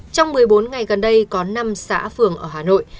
trong một mươi bốn ngày gần đây có năm xã phường ở hà nội